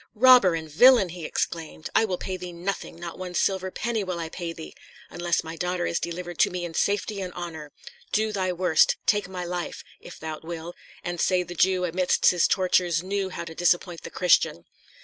"Robber and villain!" he exclaimed, "I will pay thee nothing not one silver penny will I pay thee unless my daughter is delivered to me in safety and honour. Do thy worst. Take my life if thou wilt, and say the Jew, amidst his tortures, knew how to disappoint the Christian."